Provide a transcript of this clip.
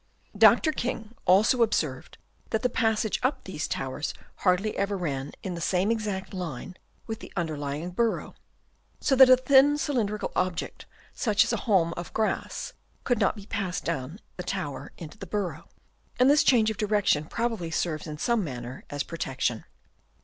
Dr. King also observed that the passage up these towers hardly ever ran in the same exact line with the under lying burrow, so that a thin cylindrical object such as a haulm of grass, could not be passed down the tower into the burrow ; and this change of direction probably serves in some manner as a protection.